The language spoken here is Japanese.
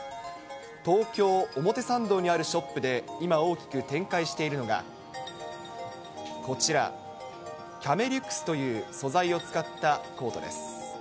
東京・表参道にあるショップで今、大きく展開しているのが、こちら、キャメリュクスという素材を使ったコートです。